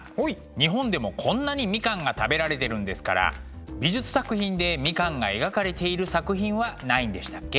日本でもこんなにみかんが食べられてるんですから美術作品でみかんが描かれている作品はないんでしたっけ？